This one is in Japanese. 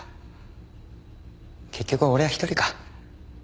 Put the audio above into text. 結局俺は一人か。